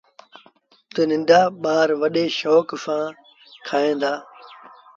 تا ننڍآ ٻآروڏي شوڪ سآݩ کائيٚݩ دآ۔